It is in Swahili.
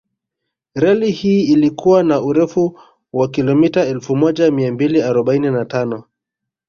Reli hii ilikuwa na urefu wa kilomita Elfu moja mia mbili arobaini na tano